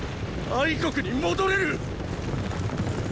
国に戻れる！